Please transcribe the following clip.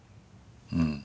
うん。